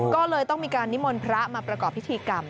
ก็เลยต้องมีการนิมนต์พระมาประกอบพิธีกรรม